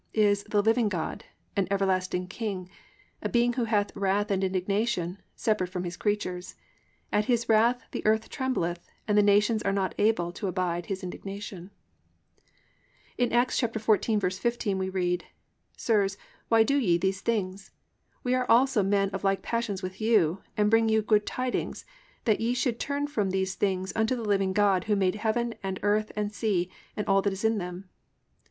Is "the living God," "an everlasting King," a being who hath "wrath and indignation," separate from His creatures—"at His wrath the earth trembleth and the nations are not able to abide His indignation." In Acts 14:15 we read: +"Sirs, why do ye these things? We also are men of like passions with you, and bring you good tidings, that ye should turn from these things unto the living God, who made heaven and earth and sea, and all that in them is."